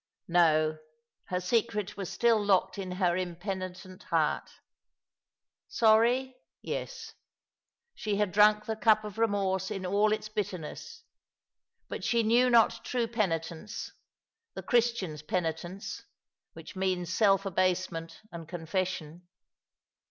No; her secret was still locked in her impenitent heart. Sorry — yes. She had drunk the cup of remorse in all its bitterness; but she knew not true peni tence, the Christian's penitence, which means self abasement and confession.